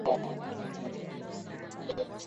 afya nzuri